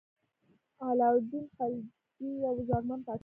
علاء الدین خلجي یو ځواکمن پاچا و.